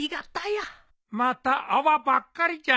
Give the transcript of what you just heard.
また泡ばっかりじゃねえか。